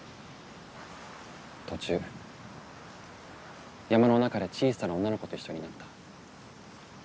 途中山の中で小さな女の子と一緒になった。